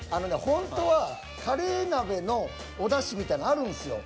ほんとはカレー鍋のおだしみたいなんあるんですよ。